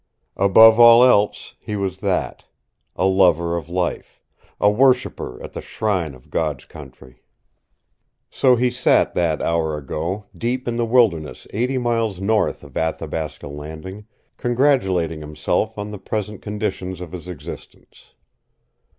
Above all else he was that. A lover of life. A worshiper at the shrine of God's Country. So he sat, that hour ago, deep in the wilderness eighty miles north of Athabasca Landing, congratulating himself on the present conditions of his existence.